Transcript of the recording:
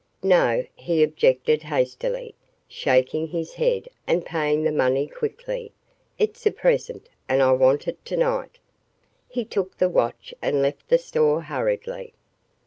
"No," he objected hastily, shaking his head and paying the money quickly. "It's a present and I want it tonight." He took the watch and left the store hurriedly.